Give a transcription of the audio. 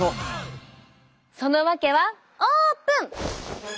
そのわけはオープン！